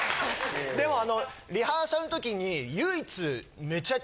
でもあのリハーサルの時に。